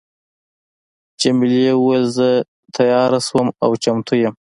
جميلې وويل: زه تیاره شوم او چمتو یم.